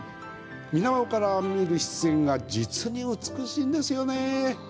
水面から見る湿原が実に美しいんですよ。